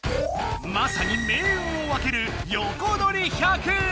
まさに命運を分ける「よこどり１００」！